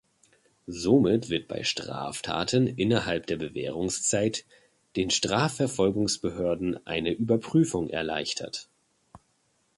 Somit wird bei Straftaten innerhalb der Bewährungszeit den Strafverfolgungsbehörden eine Überprüfung erleichtert.